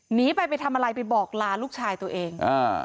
หนีไปไปทำอะไรไปบอกลาลูกชายตัวเองอ่า